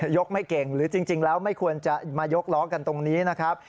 ยกไม่เก่งหรือจริงแล้วไม่ควรจะมายกล้อกันตรงนี้นะครับ